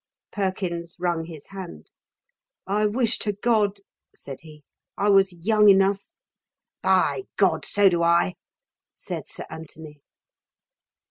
Perkins wrung his hand. "I wish to God," said he, "I was young enough " "By God! so do I!" said Sir Anthony.